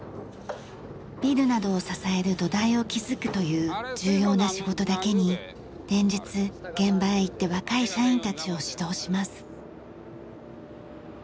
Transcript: ビルなどを支える土台を築くという重要な仕事だけに連日現場へ行って若い社員たちを指導します。